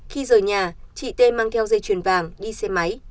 khi rời nhà chị t mang theo dây chuyền vàng đi xe máy